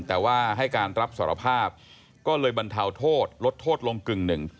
แต่ว่าให้การรับสารภาพก็เลยบรรเทาโทษลดโทษลงกึ่งหนึ่ง